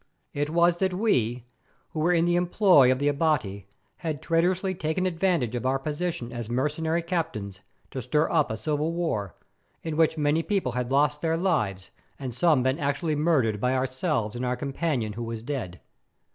It was that we, who were in the employ of the Abati, had traitorously taken advantage of our position as mercenary captains to stir up a civil war, in which many people had lost their lives, and some been actually murdered by ourselves and our companion who was dead.